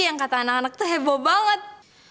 yang kata anak anak itu heboh banget